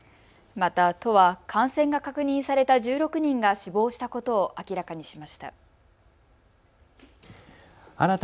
また都は感染が確認された１６人が死亡したことを明らかにしました。